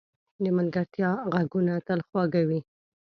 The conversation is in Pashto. د ملګرتیا ږغونه تل خواږه وي.